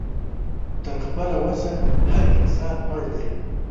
تر خپله وسه هر انسان پړ دی